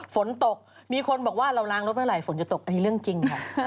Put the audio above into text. ฝนตกมีคนบอกว่าเราล้างรถเมื่อไหร่ฝนจะตกอันนี้เรื่องจริงค่ะ